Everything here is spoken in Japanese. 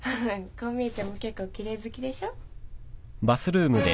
こう見えても結構きれい好きでしょ？